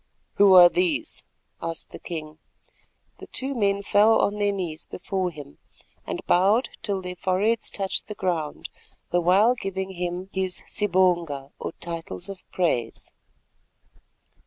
"Who are these?" asked the king. The two men fell on their knees before him, and bowed till their foreheads touched the ground—the while giving him his sibonga or titles of praise.